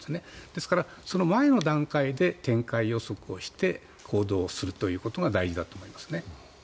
ですから、その前の段階で展開予測をして行動するということが大事だと思いますね。